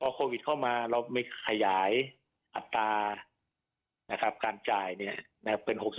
พอโควิดเข้ามาเราไม่ขยายอัตราการจ่ายเป็น๖๒